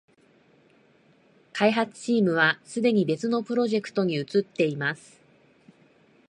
開発チームはすでに別のプロジェクトに移ってます